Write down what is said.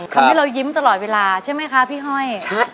ทำให้เรายิ้มตลอดเวลาใช่ไหมคะพี่ฮ่อย